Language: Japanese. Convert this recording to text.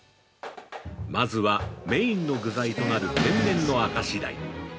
まずは、メインの具材となる天然の明石鯛。